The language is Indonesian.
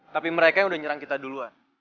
tapi mereka yang udah nyerang kita duluan